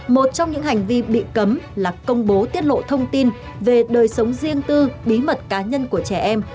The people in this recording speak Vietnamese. một trong những hành vi bị cấm là công bố tiết lộ thông tin về đời sống riêng tư bí mật cá nhân của trẻ em